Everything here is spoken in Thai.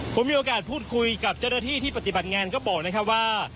ผมมีโอกาสพูดคุยกับเจ้าหน้าที่ที่ปฏิบัติงานก็บอกนะครับว่า